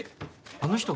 あの人が？